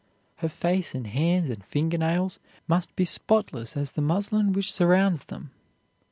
Her face and hands and finger nails must be spotless as the muslin which surrounds them.